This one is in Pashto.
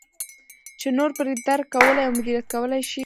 چې نور پرې درک کولای او مدیریت کولای شي.